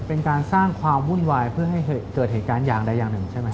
เป็นการสร้างความวุ่นวายเพื่อให้เกิดเหตุการณ์อย่างใดอย่างหนึ่งใช่ไหม